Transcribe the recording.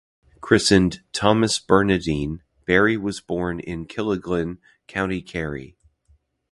Christened "Thomas Bernardine", Barry was born in Killorglin, County Kerry.